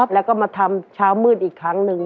แล้วก็มาทำเช้ามืดอีกครั้งหนึ่ง